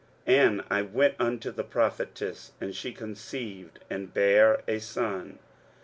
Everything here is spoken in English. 23:008:003 And I went unto the prophetess; and she conceived, and bare a son.